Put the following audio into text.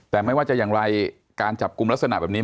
แต่ไม่ว่าจะอย่างไรการจับกลุ่มลักษณะแบบนี้